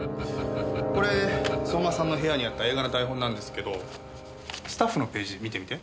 これ相馬さんの部屋にあった映画の台本なんですけどスタッフのページ見てみて。